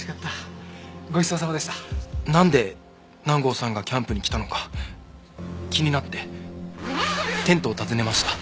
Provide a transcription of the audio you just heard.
なんで南郷さんがキャンプに来たのか気になってテントを訪ねました。